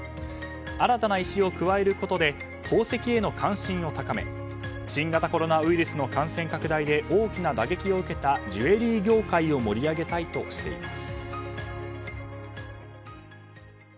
新たな石を加えることで宝石への関心を高め新型コロナウイルスの感染拡大で大きな打撃を受けたジュエリー業界を盛り上げたいとしています。